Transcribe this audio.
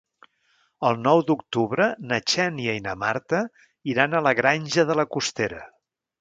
El nou d'octubre na Xènia i na Marta iran a la Granja de la Costera.